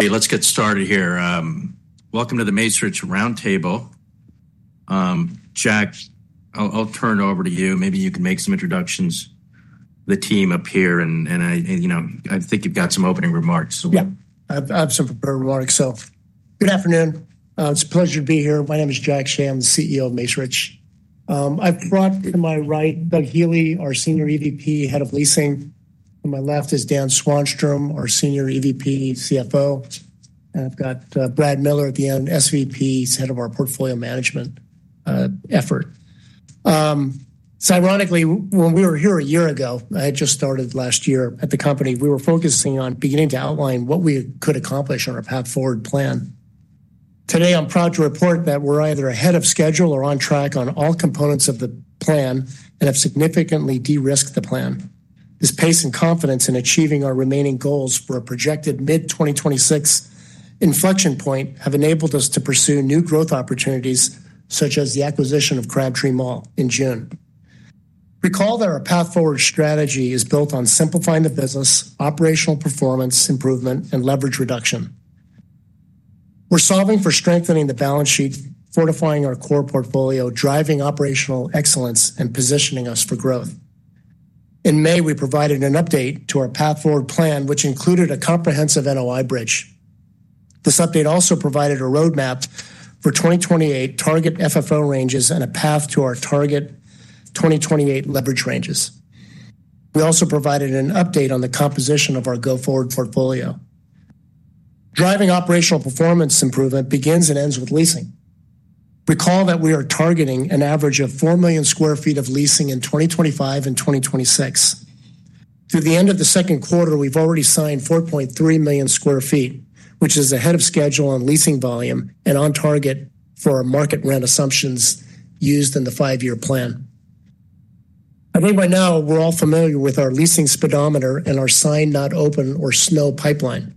Hey, let's get started here. Welcome to the Macerich Roundtable. Jack, I'll turn it over to you. Maybe you can make some introductions to the team up here. I think you've got some opening remarks. Yeah, I have some remarks myself. Good afternoon. It's a pleasure to be here. My name is Jack Sham. I'm the CEO of Macerich. I've brought to my right Doug Healey, our Senior EVP, Head of Leasing. On my left is Dan Swanstrom, our Senior EVP, CFO. I've got Brad Miller at the end, SVP, Head of our Portfolio Management effort. Ironically, when we were here a year ago, I had just started last year at the company. We were focusing on beginning to outline what we could accomplish on our path forward plan. Today, I'm proud to report that we're either ahead of schedule or on track on all components of the plan and have significantly de-risked the plan. This pace and confidence in achieving our remaining goals for a projected mid-2026 inflection point have enabled us to pursue new growth opportunities, such as the acquisition of Crabtree Mall in June. Recall that our path forward strategy is built on simplifying the business, operational performance improvement, and leverage reduction. We're solving for strengthening the balance sheet, fortifying our core portfolio, driving operational excellence, and positioning us for growth. In May, we provided an update to our path forward plan, which included a comprehensive NOI bridge. This update also provided a roadmap for 2028 target FFO ranges and a path to our target 2028 leverage ranges. We also provided an update on the composition of our go-forward portfolio. Driving operational performance improvement begins and ends with leasing. Recall that we are targeting an average of 4 million square feet of leasing in 2025 and 2026. To the end of the second quarter, we've already signed 4.3 million square feet, which is ahead of schedule on leasing volume and on target for our market rent assumptions used in the five-year plan. I believe by now we're all familiar with our leasing speedometer and our sign not open or snow pipeline.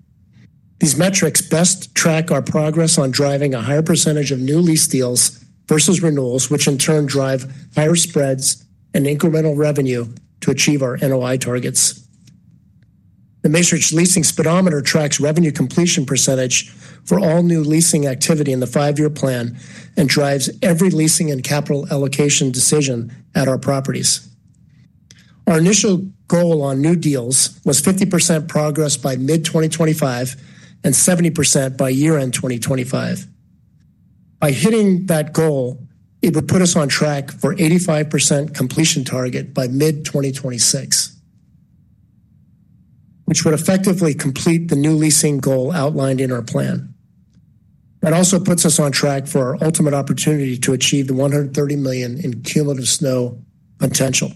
These metrics best track our progress on driving a higher percentage of new lease deals versus renewals, which in turn drive higher spreads and incremental revenue to achieve our NOI targets. The Macerich Leasing Speedometer tracks revenue completion percentage for all new leasing activity in the five-year plan and drives every leasing and capital allocation decision at our properties. Our initial goal on new deals was 50% progress by mid-2025 and 70% by year-end 2025. By hitting that goal, it would put us on track for an 85% completion target by mid-2026, which would effectively complete the new leasing goal outlined in our plan. That also puts us on track for our ultimate opportunity to achieve the $130 million in cumulative SNOW potential.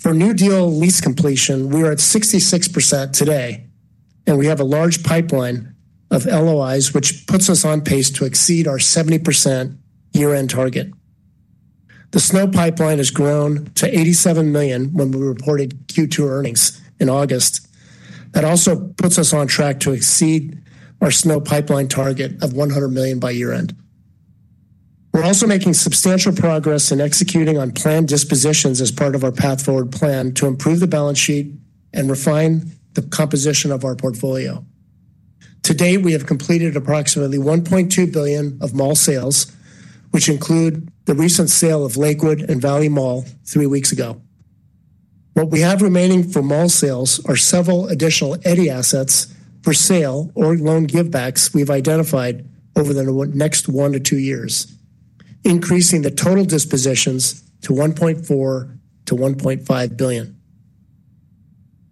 For new deal lease completion, we are at 66% today, and we have a large pipeline of letters of intent, which puts us on pace to exceed our 70% year-end target. The SNOW pipeline has grown to $87 million when we reported Q2 earnings in August. That also puts us on track to exceed our SNOW pipeline target of $100 million by year-end. We're also making substantial progress in executing on planned dispositions as part of our Path Forward Plan to improve the balance sheet and refine the composition of our portfolio. Today, we have completed approximately $1.2 billion of mall sales, which include the recent sale of Lakewood and Valley Mall three weeks ago. What we have remaining for mall sales are several additional EDDI assets for sale or loan givebacks we've identified over the next one to two years, increasing the total dispositions to $1.4 to $1.5 billion.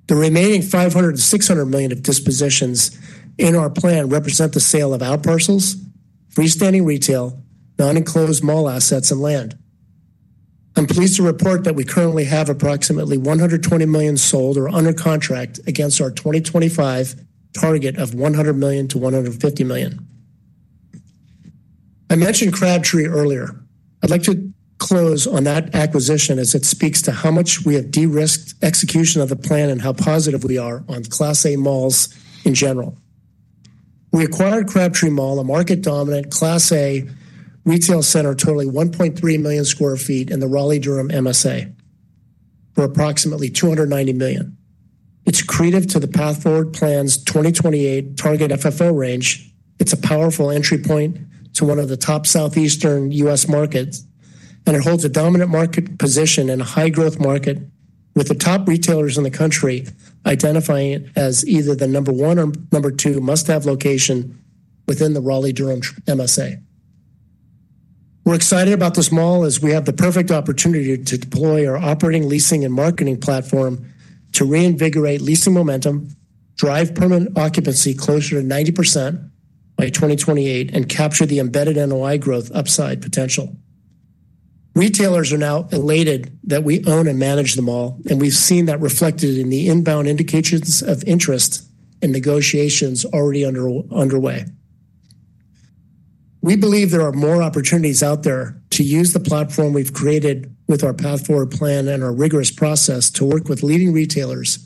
The remaining $500 to $600 million dispositions in our plan represent the sale of out parcels, freestanding retail, non-enclosed mall assets, and land. I'm pleased to report that we currently have approximately $120 million sold or under contract against our 2025 target of $100 million to $150 million. I mentioned Crabtree earlier. I'd like to close on that acquisition as it speaks to how much we have de-risked execution of the plan and how positive we are on Class A malls in general. We acquired Crabtree Mall, a market-dominant Class A retail center, totaling 1.3 million square feet in the Raleigh-Durham MSA for approximately $290 million. It's accretive to the Path Forward Plan's 2028 target FFO range. It's a powerful entry point to one of the top Southeastern U.S. markets, and it holds a dominant market position in a high-growth market with the top retailers in the country identifying it as either the number one or number two must-have location within the Raleigh-Durham MSA. We're excited about this mall as we have the perfect opportunity to deploy our operating, leasing, and marketing platform to reinvigorate leasing momentum, drive permanent occupancy closer to 90% by 2028, and capture the embedded NOI growth upside potential. Retailers are now elated that we own and manage them all, and we've seen that reflected in the inbound indicators of interest and negotiations already underway. We believe there are more opportunities out there to use the platform we've created with our Path Forward Plan and our rigorous process to work with leading retailers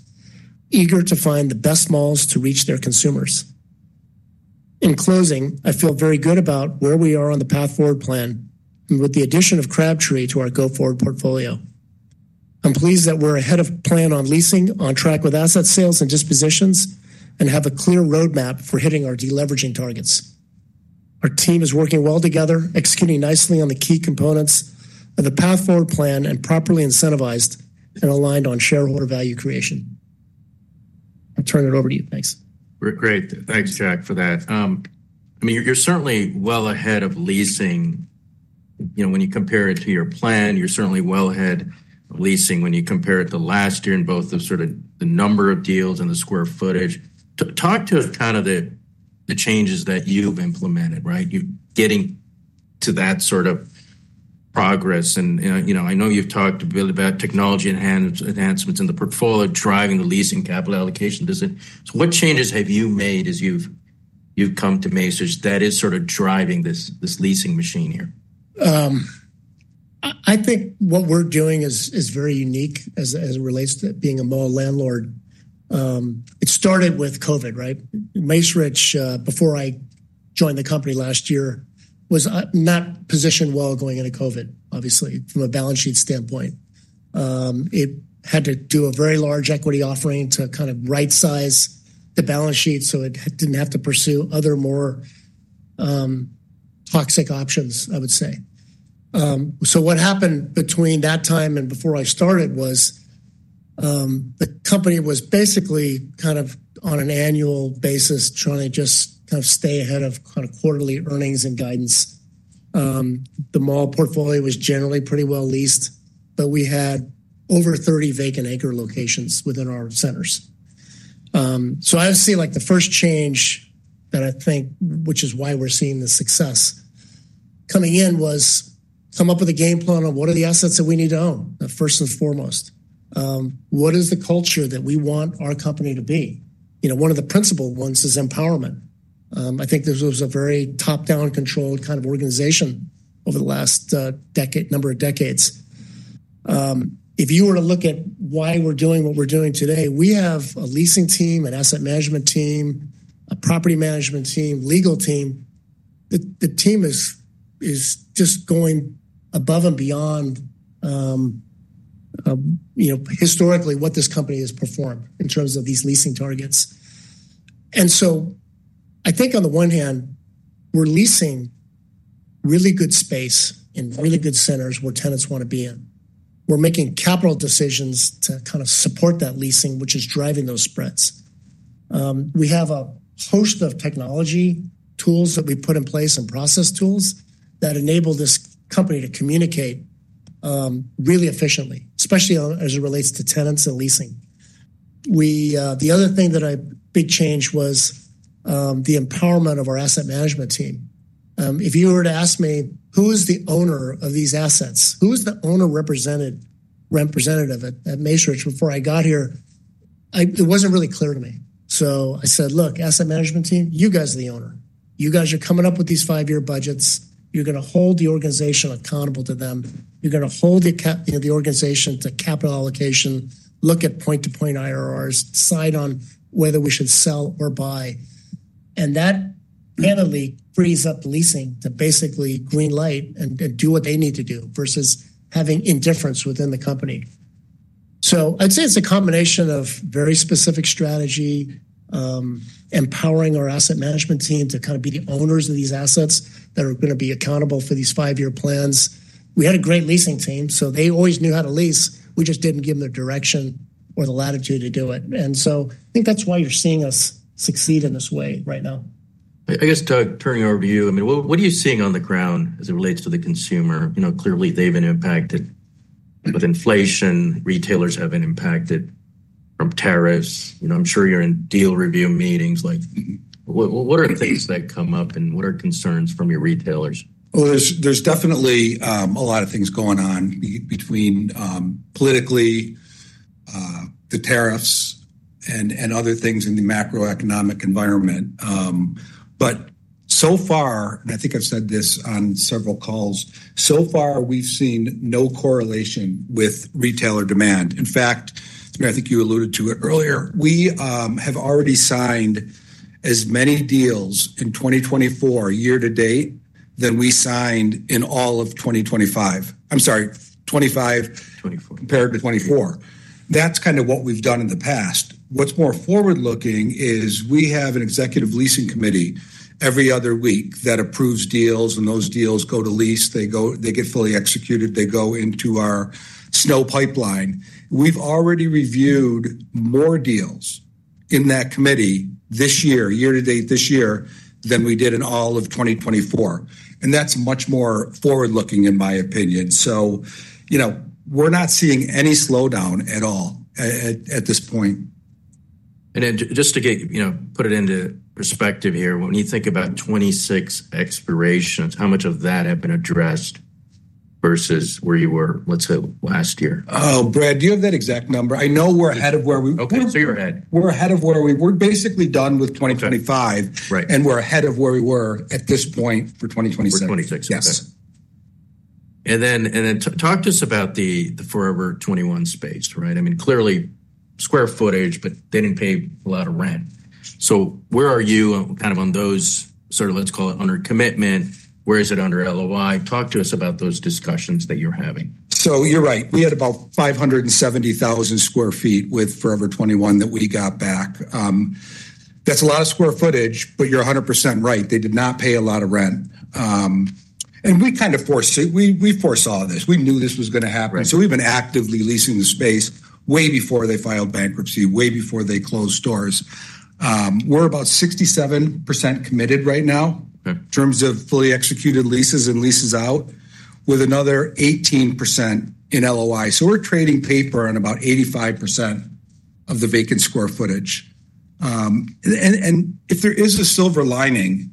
eager to find the best malls to reach their consumers. In closing, I feel very good about where we are on the Path Forward Plan and with the addition of Crabtree to our go-forward portfolio. I'm pleased that we're ahead of plan on leasing, on track with asset sales and dispositions, and have a clear roadmap for hitting our deleveraging targets. Our team is working well together, executing nicely on the key components of the Path Forward Plan and properly incentivized and aligned on shareholder value creation. I'll turn it over to you. Thanks. We're great. Thanks, Jack, for that. I mean, you're certainly well ahead of leasing. When you compare it to your plan, you're certainly well ahead of leasing when you compare it to last year in both the number of deals and the square footage. Talk to the changes that you've implemented, right? You're getting to that progress. I know you've talked about technology enhancements in the portfolio driving the leasing capital allocation. What changes have you made as you've come to Macerich that are driving this leasing machine here? I think what we're doing is very unique as it relates to being a mall landlord. It started with COVID, right? Macerich, before I joined the company last year, was not positioned well going into COVID, obviously, from a balance sheet standpoint. It had to do a very large equity offering to kind of right-size the balance sheet so it didn't have to pursue other more toxic options, I would say. What happened between that time and before I started was the company was basically on an annual basis trying to just stay ahead of quarterly earnings and guidance. The mall portfolio was generally pretty well leased, but we had over 30 vacant acre locations within our centers. I would say the first change that I think, which is why we're seeing the success coming in, was come up with a game plan on what are the assets that we need to own, first and foremost. What is the culture that we want our company to be? One of the principal ones is empowerment. I think this was a very top-down controlled kind of organization over the last number of decades. If you were to look at why we're doing what we're doing today, we have a leasing team, an asset management team, a property management team, legal team. The team is just going above and beyond, historically what this company has performed in terms of these leasing targets. I think on the one hand, we're leasing really good space in really good centers where tenants want to be in. We're making capital decisions to support that leasing, which is driving those spreads. We have a host of technology tools that we put in place and process tools that enable this company to communicate really efficiently, especially as it relates to tenants and leasing. The other thing that I big changed was the empowerment of our asset management team. If you were to ask me, who is the owner of these assets? Who is the owner represented at Macerich before I got here? It wasn't really clear to me. I said, look, asset management team, you guys are the owner. You guys are coming up with these five-year budgets. You're going to hold the organization accountable to them. You're going to hold the organization to capital allocation, look at point-to-point IRRs, decide on whether we should sell or buy. That manually frees up leasing to basically green light and do what they need to do versus having indifference within the company. It's a combination of very specific strategy, empowering our asset management team to kind of be the owners of these assets that are going to be accountable for these five-year plans. We had a great leasing team, so they always knew how to lease. We just didn't give them the direction or the latitude to do it. I think that's why you're seeing us succeed in this way right now. I guess, Doug, turning over to you, I mean, what are you seeing on the ground as it relates to the consumer? Clearly they've been impacted with inflation. Retailers have been impacted from tariffs. I'm sure you're in deal review meetings. What are things that come up and what are concerns from your retailers? There's definitely a lot of things going on between politically, the tariffs, and other things in the macroeconomic environment. So far, and I think I've said this on several calls, so far we've seen no correlation with retailer demand. In fact, I think you alluded to it earlier, we have already signed as many deals in 2024 year to date than we signed in all of 2025. I'm sorry, 25 compared to 24. That's kind of what we've done in the past. What's more forward-looking is we have an Executive Leasing Committee every other week that approves deals, and those deals go to lease. They go, they get fully executed. They go into our snow pipeline. We've already reviewed more deals in that committee this year, year to date this year, than we did in all of 2024. That's much more forward-looking, in my opinion. You know, we're not seeing any slowdown at all at this point. To put it into perspective here, when you think about 26 expirations, how much of that had been addressed versus where you were? What's it last year? Oh, Brad, do you have that exact number? I know we're ahead of where we were. Okay, so you're ahead. We're ahead of where we were. We're basically done with 2025, and we're ahead of where we were at this point for 2027. For 26. Yes. Talk to us about the Forever 21 space, right? I mean, clearly square footage, but they didn't pay a lot of rent. Where are you kind of on those, let's call it under commitment? Where is it under LOI? Talk to us about those discussions that you're having. You're right. We had about 570,000 square feet with Forever 21 that we got back. That's a lot of square footage, but you're 100% right. They did not pay a lot of rent. We kind of foresaw this. We knew this was going to happen. We have been actively leasing the space way before they filed bankruptcy, way before they closed doors. We're about 67% committed right now in terms of fully executed leases and leases out, with another 18% in LOI. We're trading paper on about 85% of the vacant square footage. If there is a silver lining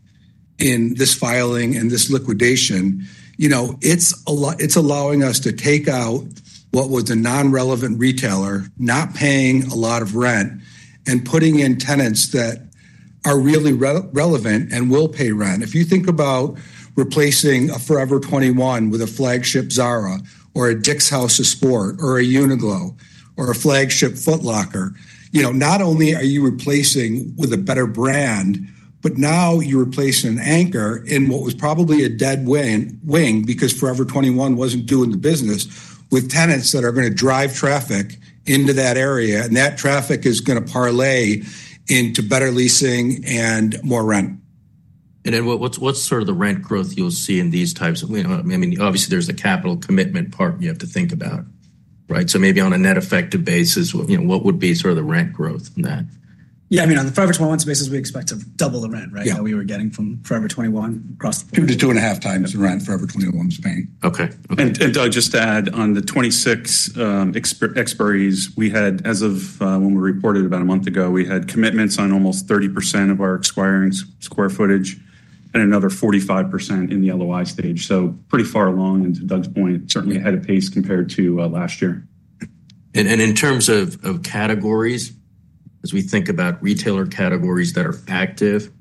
in this filing and this liquidation, it's allowing us to take out what was a non-relevant retailer not paying a lot of rent and put in tenants that are really relevant and will pay rent. If you think about replacing a Forever 21 with a flagship Zara or a Dick's House of Sport or a Uniqlo or a flagship Foot Locker, not only are you replacing with a better brand, but now you replace an anchor in what was probably a dead wing because Forever 21 wasn't doing the business with tenants that are going to drive traffic into that area, and that traffic is going to parlay into better leasing and more rent. What is sort of the rent growth you'll see in these types of, I mean, obviously there's a capital commitment part you have to think about, right? Maybe on a net effective basis, what would be sort of the rent growth in that? Yeah, I mean, on the Forever 21 spaces, we expect to double the rent, right, that we were getting from Forever 21 across. It was 2.5 times the rent Forever 21 was paying. Okay. Doug, just to add on the 2026 expires, we had, as of when we reported about a month ago, commitments on almost 30% of our expiring square footage and another 45% in the LOI stage. We are pretty far along, and to Doug's point, certainly ahead of pace compared to last year. In terms of categories, as we think about retailer categories that are active,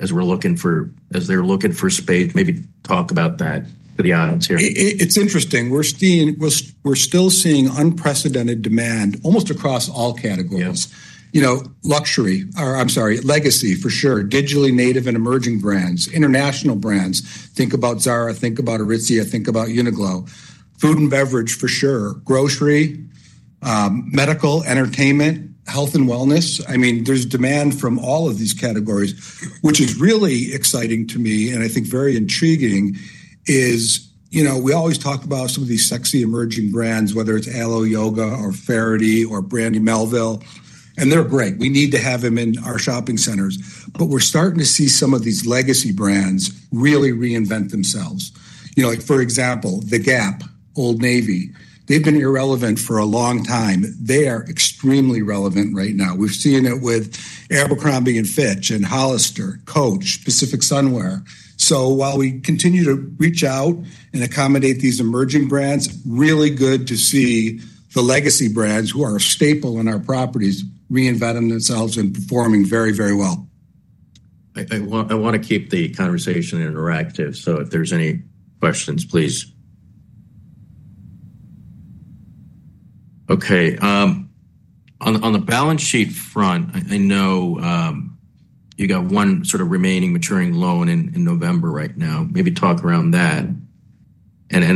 as we're looking for, as they're looking for space, maybe talk about that for the audience here. It's interesting. We're still seeing unprecedented demand almost across all categories. You know, legacy for sure, digitally native and emerging brands, international brands. Think about Zara, think about Aritzia, think about Uniqlo, food and beverage for sure, grocery, medical, entertainment, health and wellness. There's demand from all of these categories, which is really exciting to me, and I think very intriguing is, you know, we always talk about some of these sexy emerging brands, whether it's Alo Yoga or Faraday or Brandy Melville, and they're great. We need to have them in our shopping centers. We're starting to see some of these legacy brands really reinvent themselves. For example, the Gap, Old Navy, they've been irrelevant for a long time. They are extremely relevant right now. We've seen it with Abercrombie & Fitch and Hollister, Coach, Pacific Sunwear. While we continue to reach out and accommodate these emerging brands, it's really good to see the legacy brands who are a staple in our properties reinventing themselves and performing very, very well. I want to keep the conversation interactive, so if there's any questions, please. On the balance sheet front, I know you got one sort of remaining maturing loan in November right now. Maybe talk around that.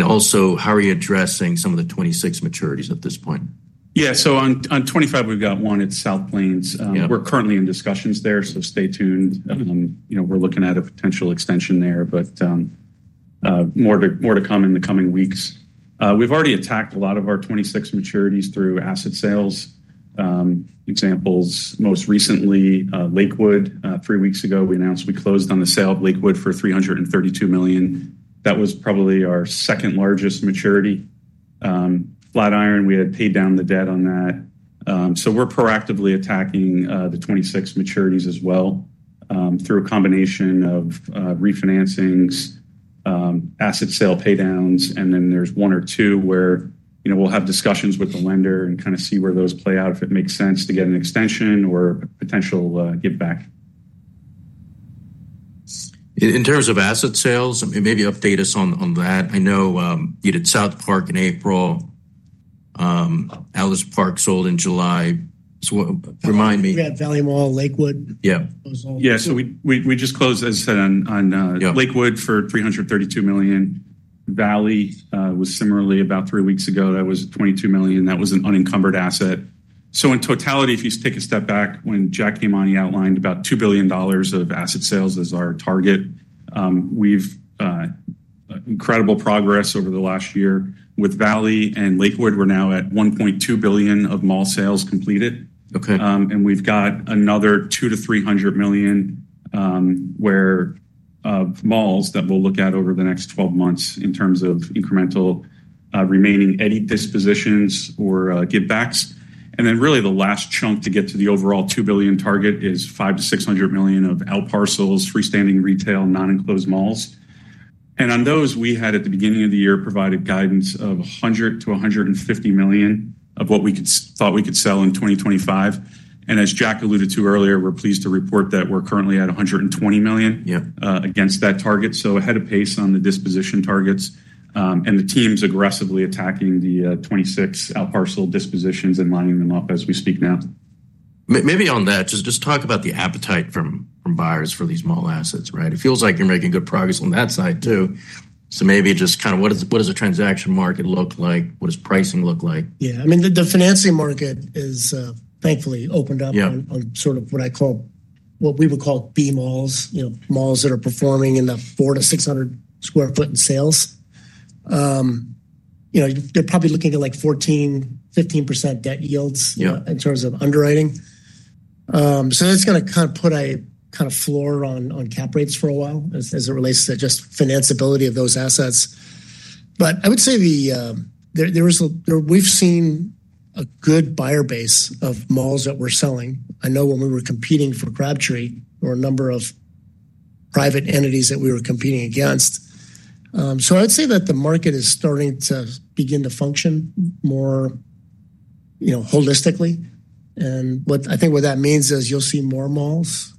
Also, how are you addressing some of the 2026 maturities at this point? Yeah, so on 2025, we've got one at South Plains. We're currently in discussions there, so stay tuned. We're looking at a potential extension there, but more to come in the coming weeks. We've already attacked a lot of our 2026 maturities through asset sales. Examples, most recently, Lakewood. Three weeks ago, we announced we closed on the sale of Lakewood for $332 million. That was probably our second largest maturity. Flat Iron, we had paid down the debt on that. We're proactively attacking the 2026 maturities as well through a combination of refinancings, asset sale paydowns, and then there's one or two where we'll have discussions with the lender and kind of see where those play out, if it makes sense to get an extension or potential giveback. In terms of asset sales, maybe update us on that. I know you did South Park in April. Lakewood sold in July. So remind me. You got Valley Mall, Lakewood. Yeah. Yeah, we just closed, as I said, on Lakewood for $332 million. Valley was similarly about three weeks ago. That was $22 million. That was an unencumbered asset. In totality, if you take a step back, when Jack came on, he outlined about $2 billion of asset sales as our target. We've had incredible progress over the last year with Valley and Lakewood. We're now at $1.2 billion of mall sales completed. Okay. We have another $200 to $300 million of malls that we'll look at over the next 12 months in terms of incremental remaining EDDI dispositions or givebacks. Really, the last chunk to get to the overall $2 billion target is $500 to $600 million of out parcels, freestanding retail, non-enclosed malls. On those, we had at the beginning of the year provided guidance of $100 to $150 million of what we thought we could sell in 2025. As Jack alluded to earlier, we're pleased to report that we're currently at $120 million. Yeah. Against that target, ahead of pace on the disposition targets, and the team's aggressively attacking the 26 out parcel dispositions and lining them up as we speak now. Maybe on that, just talk about the appetite from buyers for these mall assets, right? It feels like you're making good progress on that side too. Maybe just kind of what does the transaction market look like? What does pricing look like? Yeah, I mean, the financing market has thankfully opened up on sort of what I call, what we would call B malls, you know, malls that are performing in the $400 to $600 per square foot in sales. They're probably looking at like 14% to 15% debt yields in terms of underwriting. That's going to kind of put a kind of floor on cap rates for a while as it relates to just financeability of those assets. I would say we've seen a good buyer base of malls that we're selling. I know when we were competing for Crabtree Mall, there were a number of private entities that we were competing against. I would say that the market is starting to begin to function more holistically. What I think that means is you'll see more malls,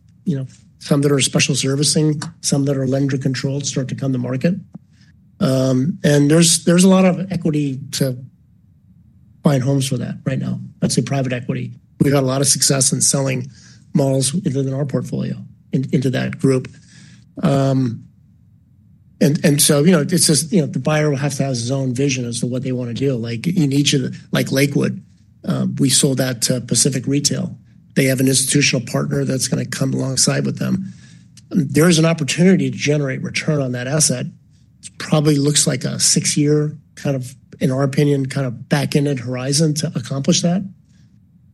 some that are special servicing, some that are lender controlled, start to come to market. There's a lot of equity to find homes for that right now. I'd say private equity. We've had a lot of success in selling malls within our portfolio into that group. The buyer will have to have his own vision as to what they want to do. Like in each of the, like Lakewood, we sold that to Pacific Retail. They have an institutional partner that's going to come alongside with them. There is an opportunity to generate return on that asset. It probably looks like a six-year kind of, in our opinion, kind of back-ended horizon to accomplish that.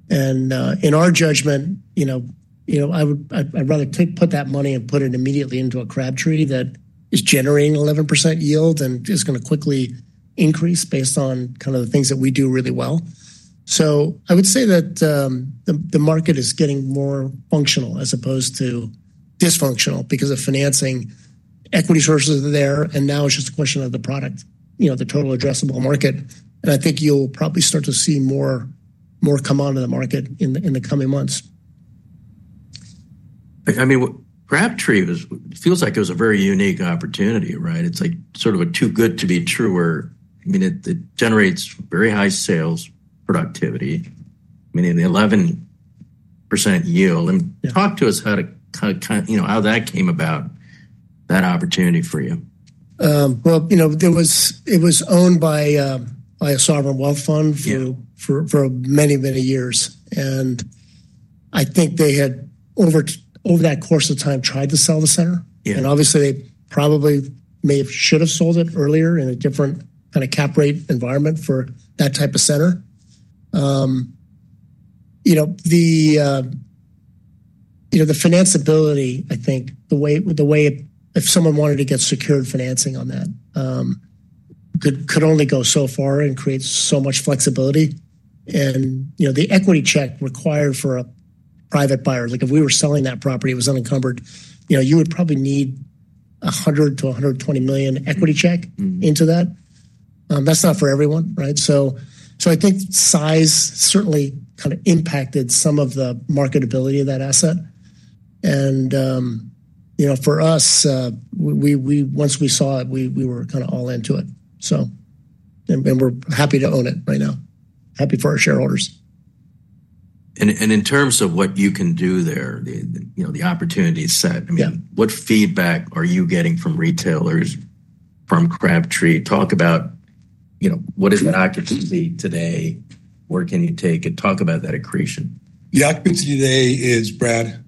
In our judgment, I'd rather take, put that money and put it immediately into a Crabtree Mall that is generating 11% yield and is going to quickly increase based on kind of the things that we do really well. I would say that the market is getting more functional as opposed to dysfunctional because of financing. Equity sources are there, and now it's just a question of the product, the total addressable market. I think you'll probably start to see more come on to the market in the coming months. I mean, Crabtree feels like it was a very unique opportunity, right? It's like sort of a too good to be true, where it generates very high sales productivity. I mean, the 11% yield, and talk to us how that came about, that opportunity for you. It was owned by a sovereign wealth fund for many, many years. I think they had over that course of time tried to sell the center. Obviously, they probably may have should have sold it earlier in a different kind of cap rate environment for that type of center. The financeability, I think the way if someone wanted to get secured financing on that could only go so far and create so much flexibility. The equity check required for a private buyer, like if we were selling that property, it was unencumbered, you would probably need $100 to $120 million equity check into that. That's not for everyone, right? I think size certainly kind of impacted some of the marketability of that asset. For us, once we saw it, we were kind of all into it. We are happy to own it right now. Happy for our shareholders. In terms of what you can do there, you know, the opportunity is set. I mean, what feedback are you getting from retailers from Crabtree? Talk about, you know, what is the occupancy today? Where can you take it? Talk about that accretion. The occupancy today is, Brad.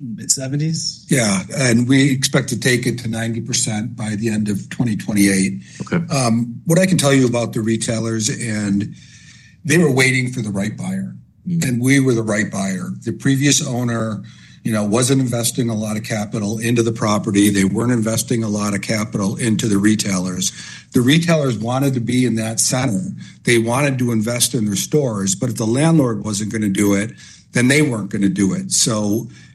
Mid 70? Yeah, and we expect to take it to 90% by the end of 2028. What I can tell you about the retailers is they were waiting for the right buyer, and we were the right buyer. The previous owner wasn't investing a lot of capital into the property. They weren't investing a lot of capital into the retailers. The retailers wanted to be in that center. They wanted to invest in their stores, but if the landlord wasn't going to do it, then they weren't going to do it.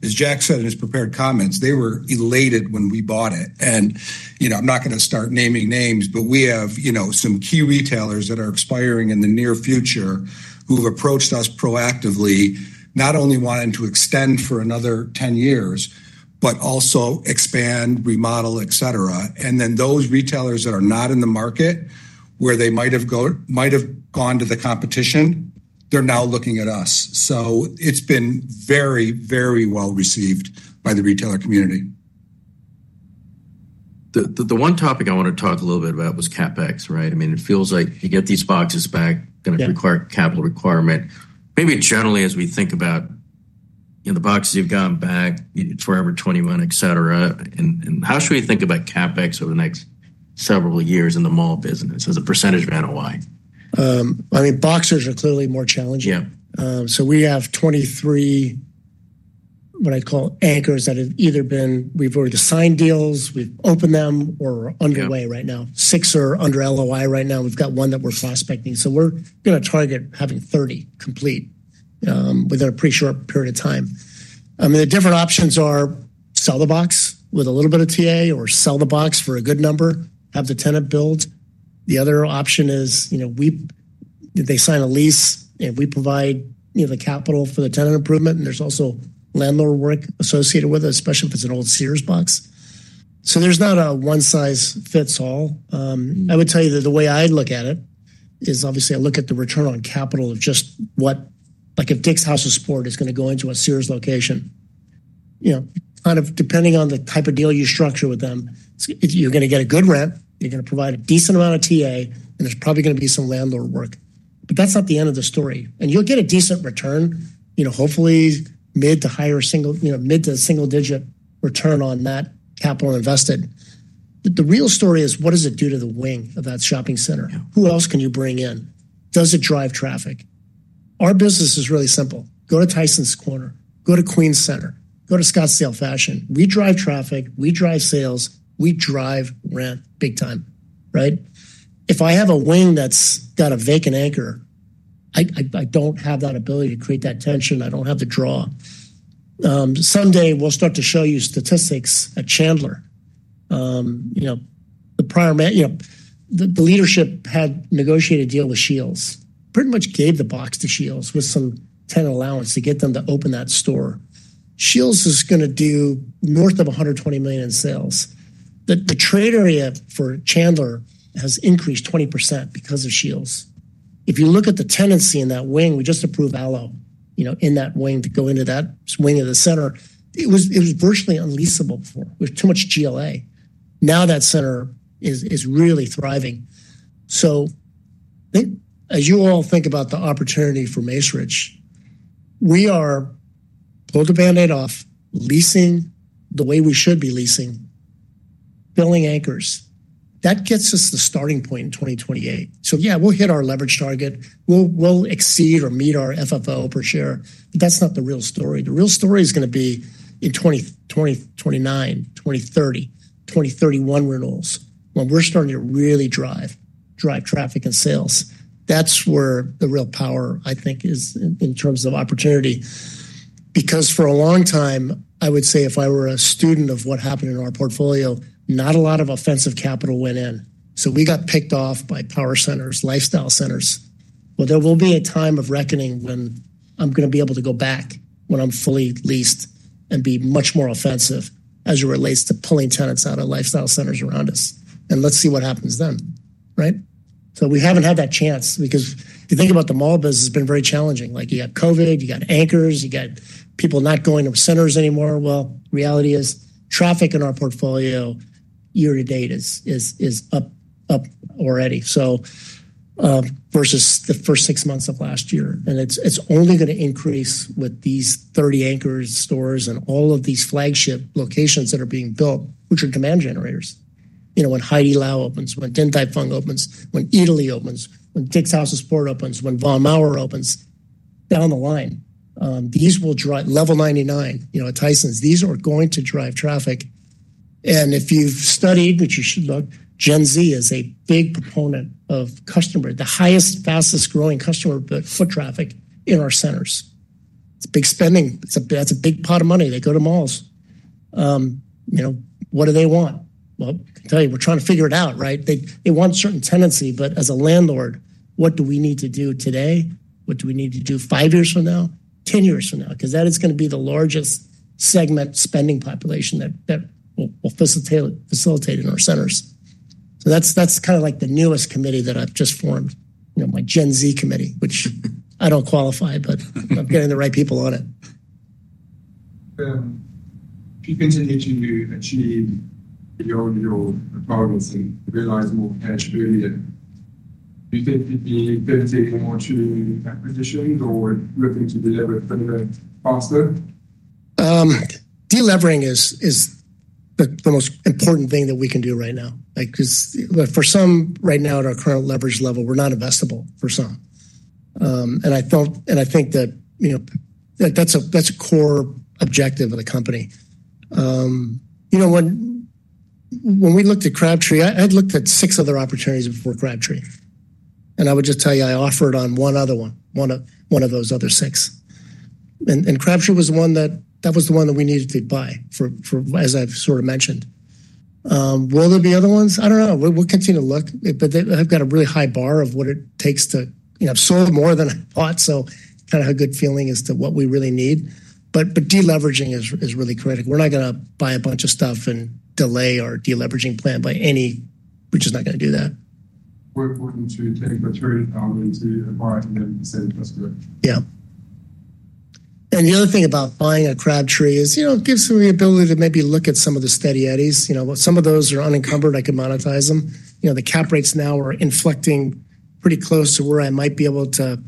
As Jack said in his prepared comments, they were elated when we bought it. I'm not going to start naming names, but we have some key retailers that are expiring in the near future who've approached us proactively, not only wanting to extend for another 10 years, but also expand, remodel, et cetera. Those retailers that are not in the market, where they might have gone to the competition, they're now looking at us. It's been very, very well received by the retailer community. The one topic I want to talk a little bit about was CapEx, right? I mean, it feels like you get these boxes back, going to require capital requirement. Maybe generally, as we think about, you know, the boxes you've gotten back, you know, Forever 21, et cetera, and how should we think about CapEx over the next several years in the mall business as a percentage of NOI? I mean, boxers are clearly more challenging. Yeah. We have 23, what I'd call anchors that have either been, we've already signed deals, we've opened them, or we're underway right now. Six are under LOI right now, and we've got one that we're fast-pacing. We're going to target having 30 complete within a pretty short period of time. The different options are sell the box with a little bit of TA or sell the box for a good number, have the tenant build. The other option is, you know, they sign a lease and we provide, you know, the capital for the tenant improvement, and there's also landlord work associated with it, especially if it's an old Sears box. There's not a one-size-fits-all. I would tell you that the way I look at it is obviously I look at the return on capital of just what, like a Dick's House of Sport is going to go into a Sears location. Kind of depending on the type of deal you structure with them, you're going to get a good rent, you're going to provide a decent amount of TA, and there's probably going to be some landlord work. That's not the end of the story. You'll get a decent return, hopefully mid to higher single, you know, mid to single-digit return on that capital invested. The real story is what does it do to the wing of that shopping center? Who else can you bring in? Does it drive traffic? Our business is really simple. Go to Tyson's Corner, go to Queen's Center, go to Scottsdale Fashion. We drive traffic, we drive sales, we drive rent big time, right? If I have a wing that's got a vacant anchor, I don't have that ability to create that tension. I don't have the draw. Someday we'll start to show you statistics at Chandler. The prior leadership had negotiated a deal with Shields. Pretty much gave the box to Shields with some tenant allowance to get them to open that store. Shields is going to do north of $120 million in sales. The trade area for Chandler has increased 20% because of Shields. If you look at the tenancy in that wing, we just approved Alo, you know, in that wing to go into that wing of the center. It was virtually unleasable before. It was too much GLA. Now that center is really thriving. I think as you all think about the opportunity for Macerich, we are pulling the band-aid off, leasing the way we should be leasing, filling anchors. That gets us to the starting point in 2028. We'll hit our leverage target. We'll exceed or meet our FFO per share. That's not the real story. The real story is going to be in 2029, 2030, 2031 renewals, when we're starting to really drive traffic and sales. That's where the real power, I think, is in terms of opportunity. Because for a long time, I would say if I were a student of what happened in our portfolio, not a lot of offensive capital went in. We got picked off by power centers, lifestyle centers. There will be a time of reckoning when I'm going to be able to go back when I'm fully leased and be much more offensive as it relates to pulling tenants out of lifestyle centers around us. Let's see what happens then, right? We haven't had that chance because if you think about the mall business, it's been very challenging. You got COVID, you got anchors, you got people not going to centers anymore. The reality is traffic in our portfolio year to date is up already versus the first six months of last year, and it's only going to increase with these 30 anchor stores and all of these flagship locations that are being built, which are demand generators. You know, when HaiDiLao opens, when Din Tai Fung opens, when Eataly opens, when Dick's House of Sport opens, when Baumauer opens, down the line, these will drive Level 99, you know, at Tysons, these are going to drive traffic. If you've studied, which you should look, Gen Z is a big proponent of customer, the highest, fastest growing customer foot traffic in our centers. It's big spending. That's a big pot of money that goes to malls. You know, what do they want? I can tell you we're trying to figure it out, right? They want a certain tenancy, but as a landlord, what do we need to do today? What do we need to do five years from now, 10 years from now? That is going to be the largest segment spending population that will facilitate in our centers. That's kind of like the newest committee that I've just formed, my Gen Z committee, which I don't qualify, but getting the right people on it. Do you think that you'll be achieving your targets and realize more cash earlier? Do you think you'll be benefiting from more cheering acquisitions, or do you think you'll be able to deliver better than you think? Deleveraging is the most important thing that we can do right now. Because for some, right now at our current leverage level, we're not investable for some. I think that, you know, that's a core objective of the company. You know, when we looked at Crabtree Mall, I had looked at six other opportunities before Crabtree Mall. I would just tell you I offered on one other one, one of those other six. Crabtree Mall was the one that, that was the one that we needed to buy for, as I've sort of mentioned. Will there be other ones? I don't know. We'll continue to look, but I've got a really high bar of what it takes to, you know, absorb more than I thought. I kind of have a good feeling as to what we really need. Deleveraging is really critical. We're not going to buy a bunch of stuff and delay our deleveraging plan by any. We're just not going to do that. We're wanting to take material out to buy it and then sell it. The other thing about buying a Crabtree is, you know, it gives me the ability to maybe look at some of the steady Eddys. Some of those are unencumbered. I could monetize them. The cap rates now are inflecting pretty close to where I might be able to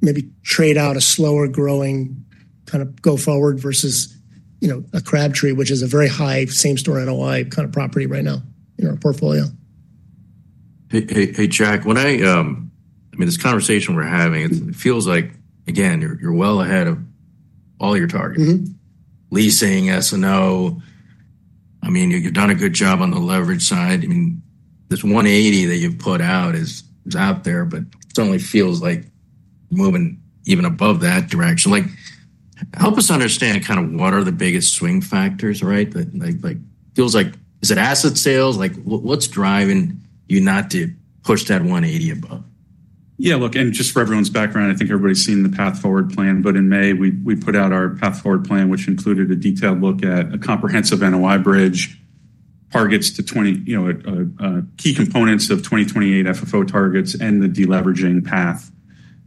maybe trade out a slower growing kind of go forward versus a Crabtree, which is a very high same-store NOI kind of property right now in our portfolio. Hey, Jack, this conversation we're having, it feels like you're well ahead of all your targets. Leasing, S&O, you've done a good job on the leverage side. This $180 million that you've put out is out there, but it certainly feels like you're moving even above that direction. Help us understand what are the biggest swing factors, right? Is it asset sales? What's driving you not to push that $180 million above? Yeah, look, and just for everyone's background, I think everybody's seen the Path Forward Plan. In May, we put out our Path Forward Plan, which included a detailed look at a comprehensive NOI bridge, targets to 20 key components of 2028 FFO targets, and the deleveraging path.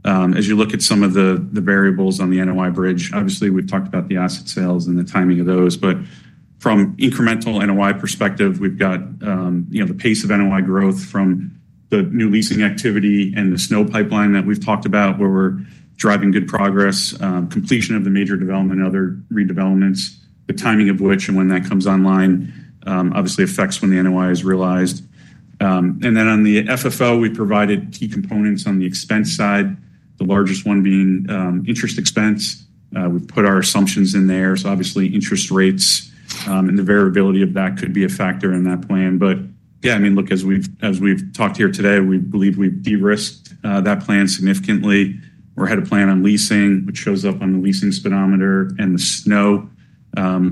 As you look at some of the variables on the NOI bridge, obviously we've talked about the asset sales and the timing of those. From an incremental NOI perspective, we've got the pace of NOI growth from the new leasing activity and the SNOW pipeline that we've talked about, where we're driving good progress, completion of the major development and other redevelopments, the timing of which and when that comes online obviously affects when the NOI is realized. On the FFO, we provided key components on the expense side, the largest one being interest expense. We put our assumptions in there, so obviously interest rates and the variability of that could be a factor in that plan. As we've talked here today, we believe we've de-risked that plan significantly. We're ahead of plan on leasing, which shows up on the leasing speedometer and the SNOW.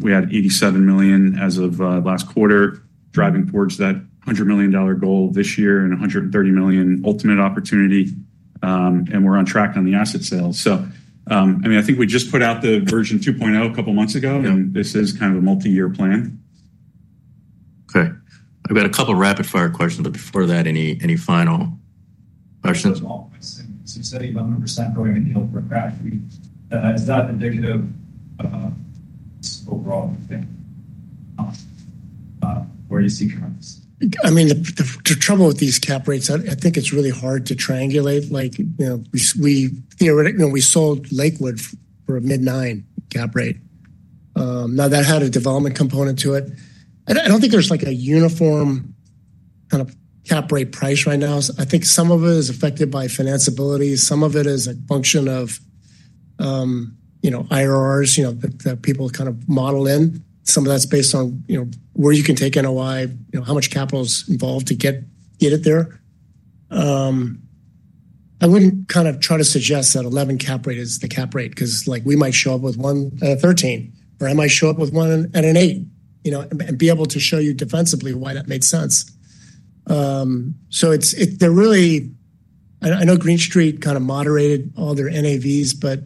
We had $87 million as of last quarter, driving towards that $100 million goal this year and $130 million ultimate opportunity. We're on track on the asset sales. I think we just put out the version 2.0 a couple of months ago. This is kind of a multi-year plan. Okay. We've got a couple of rapid-fire questions. Before that, any final questions? Since 75% going to yield for Crabtree, is that indicative where you see trends? I mean, the trouble with these cap rates, I think it's really hard to triangulate. Like, you know, we sold Lakewood for a mid-9% cap rate. Now, that had a development component to it. I don't think there's like a uniform kind of cap rate price right now. I think some of it is affected by financeability. Some of it is a function of, you know, IRRs, you know, that people kind of model in. Some of that's based on, you know, where you can take NOI, you know, how much capital is involved to get it there. I wouldn't kind of try to suggest that 11% cap rate is the cap rate because like we might show up with one at a 13% or I might show up with one at an 8%, you know, and be able to show you defensively why that made sense. It's really, I know Green Street kind of moderated all their NAVs, but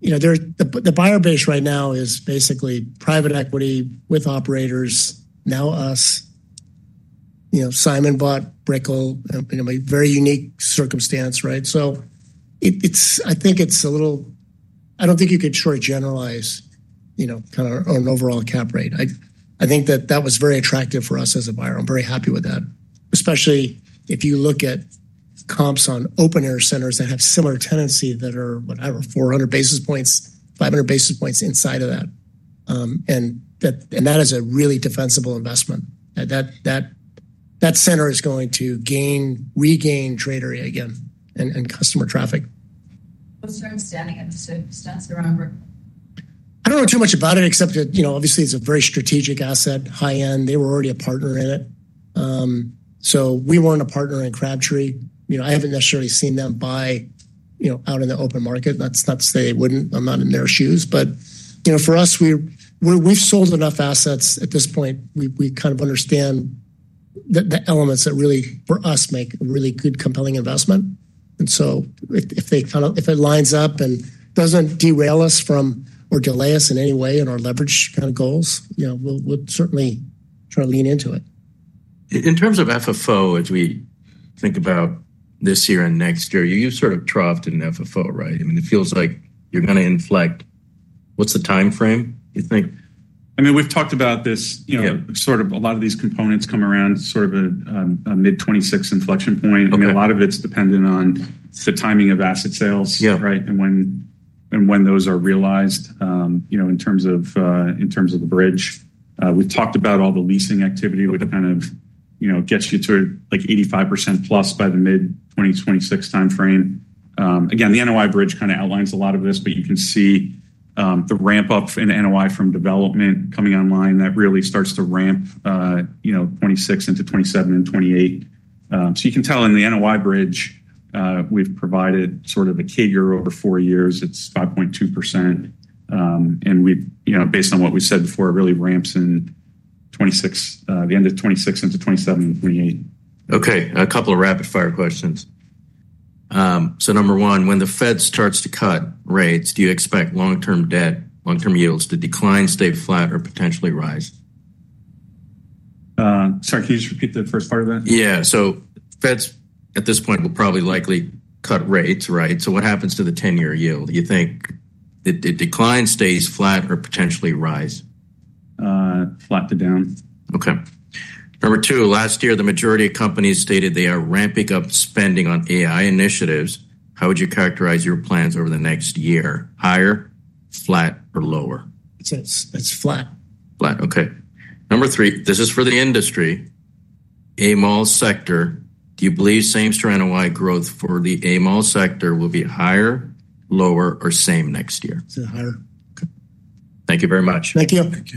you know, the buyer base right now is basically private equity with operators, now us. You know, Simon bought Brickle, you know, a very unique circumstance, right? I think it's a little, I don't think you could truly generalize, you know, kind of an overall cap rate. I think that that was very attractive for us as a buyer. I'm very happy with that, especially if you look at comps on open-air centers that have similar tenancy that are, whatever, 400 basis points, 500 basis points inside of that. That is a really defensible investment. That center is going to regain trade area again and customer traffic. I'm sorry, I'm standing and I'm assuming the stats are on. I don't know too much about it except that, you know, obviously it's a very strategic asset, high-end. They were already a partner in it. We weren't a partner in Crabtree. I haven't necessarily seen them buy out in the open market. Not to say they wouldn't, I'm not in their shoes, but for us, we've sold enough assets at this point. We kind of understand the elements that really, for us, make a really good, compelling investment. If it lines up and doesn't derail us from or delay us in any way in our leverage kind of goals, we'll certainly try to lean into it. In terms of FFO, as we think about this year and next year, you've sort of troughed in FFO, right? I mean, it feels like you're going to inflect. What's the timeframe you think? I mean, we've talked about this, you know, a lot of these components come around a mid-2026 inflection point. I mean, a lot of it's dependent on the timing of asset sales, right? When those are realized, in terms of the bridge, we've talked about all the leasing activity, which kind of gets you to like 85% plus by the mid-2026 timeframe. The NOI bridge kind of outlines a lot of this, but you can see the ramp-up in NOI from development coming online that really starts to ramp 2026 into 2027 and 2028. You can tell in the NOI bridge, we've provided a CAGR over four years. It's 5.2%. Based on what we said before, it really ramps in 2026, the end of 2026 into 2027, 2028. Okay, a couple of rapid-fire questions. Number one, when the Fed starts to cut rates, do you expect long-term debt, long-term yields to decline, stay flat, or potentially rise? Sorry, can you just repeat the first part of that? Yeah, Feds at this point will probably likely cut rates, right? What happens to the 10-year yield? Do you think it declines, stays flat, or potentially rise? Flat to down. Okay. Number two, last year, the majority of companies stated they are ramping up spending on AI initiatives. How would you characterize your plans over the next year? Higher, flat, or lower? It's flat. Flat, okay. Number three, this is for the industry. A mall sector, do you believe same-store NOI growth for the A mall sector will be higher, lower, or same next year? It's higher. Okay, thank you very much. Thank you.